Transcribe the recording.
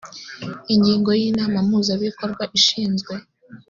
ingingo ya inama mpuzabikorwa ishinzwe